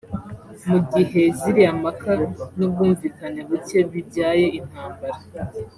Mu gihe ziriya mpaka n’ubwumvikane buke bibyaye intambara